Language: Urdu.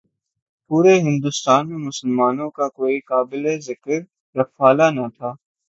پورے ہندوستان میں مسلمانوں کا کوئی قابل ذکر رکھوالا نہ تھا۔